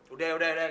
udah udah gak apa apa